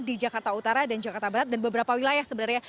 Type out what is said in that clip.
di jakarta utara dan jakarta barat dan beberapa wilayah sebenarnya